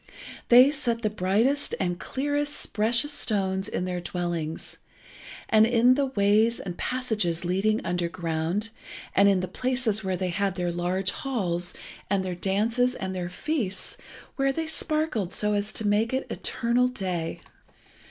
They set the brightest and clearest precious stones in their dwellings, and in the ways and passages leading underground, and in the places where they had their large halls, and their dances and their feasts, where they sparkled so as to make it eternal day.